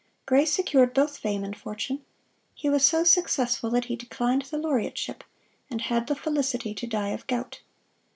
Gray secured both fame and fortune. He was so successful that he declined the Laureateship, and had the felicity to die of gout.